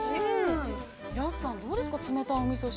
◆安さん、どうですか冷たいおみそ汁。